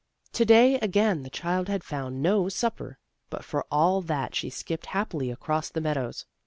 To day again the child had found no supper, but for all that she skipped happily across the meadows.